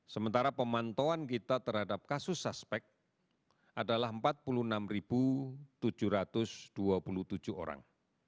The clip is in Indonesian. sementara pemantauan kita terhadap kasus suspek adalah empat puluh enam tujuh ratus dua puluh tujuh orang